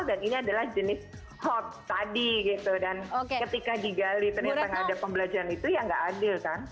ini adalah jenis hot tadi gitu dan ketika digali ternyata nggak ada pembelajaran itu ya nggak adil kan